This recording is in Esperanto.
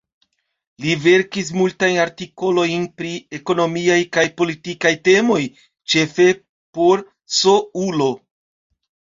Li verkis multajn artikolojn pri ekonomiaj kaj politikaj temoj, ĉefe por S-ulo.